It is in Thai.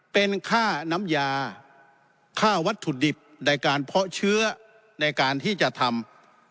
เป็นค่าน้ำยาค่าวัตถุดิบในการเพาะเชื้อในการที่จะทำ